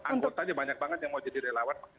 anggotanya banyak banget yang mau jadi relawan